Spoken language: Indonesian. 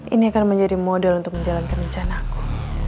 ini akan menjadi model untuk menjalankan rencanaku